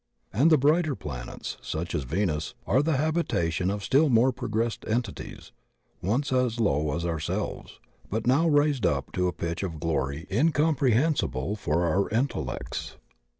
And the brighter planets, such as Venus, are the habitation of still more progressed entities, once as low as ourselves, but now raised up to a pitch of glory incomprehensible for our intellects.